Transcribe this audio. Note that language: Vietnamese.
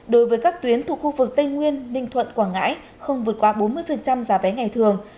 đối với các tuyến thuộc khu vực tây nguyên ninh thuận quảng ngãi không vượt qua bốn mươi giá vé ngày thường